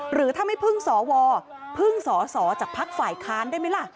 หรือถ้าไม่พึ่งสวพึ่งสอสอจากภักดิ์ฝ่ายค้านได้ไหมล่ะ